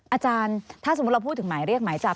อาจารย์ถ้าสมมุติเราพูดถึงหมายเรียกหมายจับ